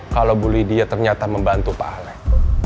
kalau bu lydia ternyata membantu pak alex